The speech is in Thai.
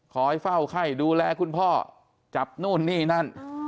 คอยเฝ้าไข้ดูแลคุณพ่อจับนู่นนี่นั่น